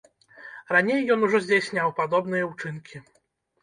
Раней ён ужо здзяйсняў падобныя ўчынкі.